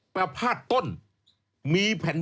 ประภาษต้น